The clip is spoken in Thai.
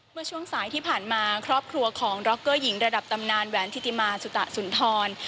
เมื่อช่วงสายที่ผ่านมาครอบครัวของดร็อกเกอร์หญิงระดับตำนานแหวนธิติมาสุตะสุนทร